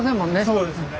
そうですね。